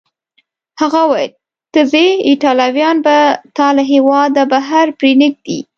هغه وویل: ته ځې، ایټالویان به تا له هیواده بهر پرېنږدي.